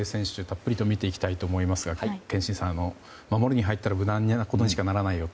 たっぷりと見ていきたいと思いますが憲伸さん、守りに入ったら無難なことにしかならないよ